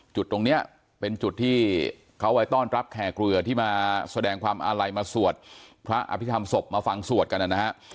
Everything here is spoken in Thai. จุดตรงนี้เป็นจุดที่เขาไว้ต้อนรับแข่เกลือที่มาแสดงความอาลัยมาสวดพระอภิษฐรรมศพมาฟังสวดกันนะฮะ